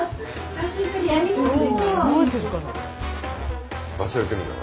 久しぶりありがとう。